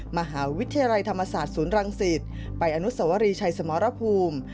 มหาวิทยาลัยธรรมศาสตร์ศูนย์รังสิตไปอนุสวรีชัยสมรภูมิ